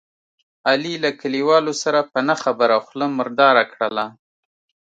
علي له کلیوالو سره په نه خبره خوله مرداره کړله.